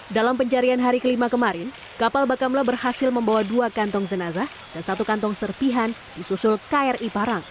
dalam pencarian hari kelima kemarin kapal bakamla berhasil membawa dua kantong jenazah dan satu kantong serpihan di susul kri parang